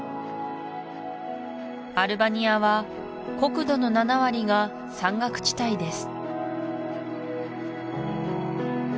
アルバニアは国土の７割が山岳地帯です